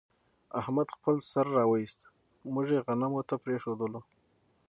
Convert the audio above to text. احمد خپل سر وایست، موږ یې غمونو ته پرېښودلو.